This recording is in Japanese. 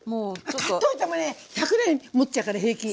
買っといてもね１００年もっちゃうから平気。